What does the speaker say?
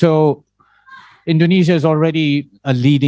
jadi indonesia sudah menjadi